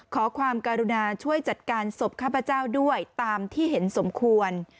ขอความกรุณาช่วยจัดการศพข้าพเจ้าด้วยตามที่เห็นสมควร